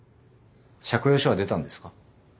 借用書は出たんですか？